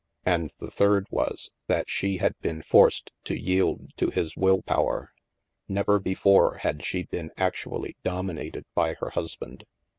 And the third was, that she had been forced to yield to his will power. Never before had she been actually dominated by her husband.